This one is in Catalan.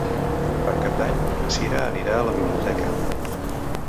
Per Cap d'Any na Sira anirà a la biblioteca.